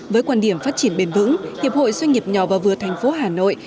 với quan điểm phát triển bền vững hiệp hội doanh nghiệp nhỏ và vừa thành phố hà nội